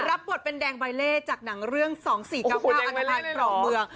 รับบทเป็นแดงบายเล่จากหนังเรื่องสองสี่เก้าห้าอันตรายเกราะเมือง